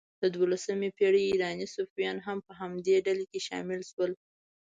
د دوولسمې پېړۍ ایراني صوفیان هم په همدې ډلې کې شامل شول.